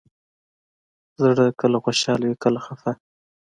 زړه کله خوشحاله وي، کله خفه.